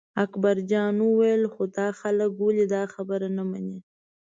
اکبرجان وویل خو دا خلک ولې دا خبره نه مني.